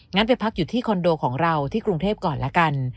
ไปพักอยู่ที่คอนโดของเราที่กรุงเทพก่อนละกัน